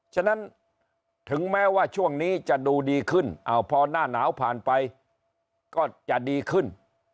ฉะนั้นถึงแม้ว่าช่วงนี้จะดูดีขึ้นพอหน้าหนาวผ่านไปก็จะดีขึ้น